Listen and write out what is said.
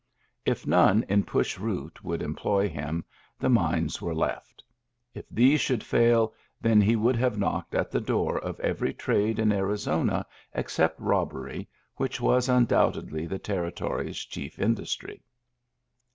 If none in Push Root would em ploy him, the mines were left; if these should fail, then he would have knocked at the door of every trade in Arizona, except robbery, which was undoubtedly the territory's chief industry.